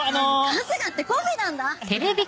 春日ってコンビなんだ！